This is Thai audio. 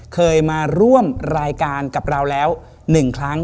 เคยมาร่วมรายการกับเราแล้ว๑ครั้ง